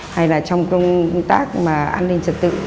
hay là trong công tác mà an ninh trật tự